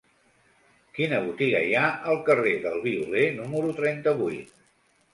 Quina botiga hi ha al carrer del Violer número trenta-vuit?